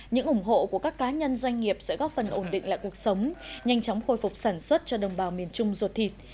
những ủng hộ của các cá nhân doanh nghiệp sẽ góp phần ổn định lại cuộc sống nhanh chóng khôi phục sản xuất cho đồng bào miền trung ruột thịt